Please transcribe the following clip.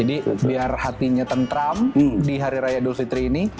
jadi biar hatinya tentram di hari raya dulu fitri ini